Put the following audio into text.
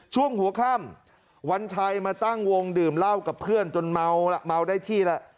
ช่วงหัวค่ำวันชัยมาตั้งวงดื่มเหล้ากับเพื่อนจนเมาล่ะเมาได้ที่แหละ